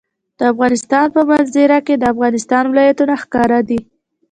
د افغانستان په منظره کې د افغانستان ولايتونه ښکاره ده.